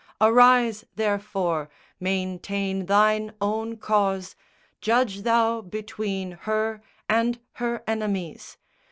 Arise, therefore! Maintain Thine own cause, Judge Thou between her and her enemies!